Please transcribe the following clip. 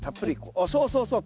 あっそうそうそう。